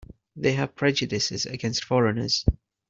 They have prejudices against foreigners.